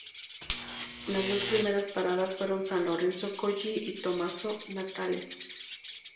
Las dos primeras paradas fueron San Lorenzo-Colli y Tommaso Natale.